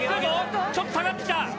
ちょっと下がってきた！